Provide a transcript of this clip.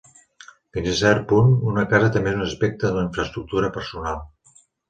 Fins a cert punt, una casa també és un aspecte de la infraestructura personal.